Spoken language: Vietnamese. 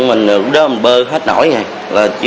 mình cũng đơm bơ hết nổi rồi